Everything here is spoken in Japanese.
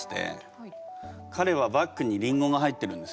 彼はバッグにりんごが入ってるんですよ。